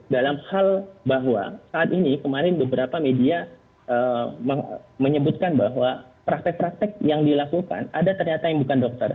dalam hal bahwa saat ini kemarin beberapa media menyebutkan bahwa praktek praktek yang dilakukan ada ternyata yang bukan dokter